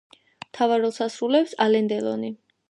მთავარ როლს ასრულებს ალენ დელონი.